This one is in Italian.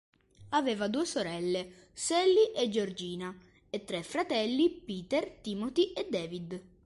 Aveva due sorelle, Sally e Georgina, e tre fratelli, Peter, Timothy e David.